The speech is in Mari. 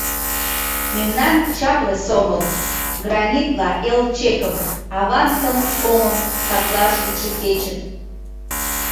Мемнан чапле сомыл: Гранитла эл чекым, Аван тыныс омым Саклаш йӱдшӧ кечын…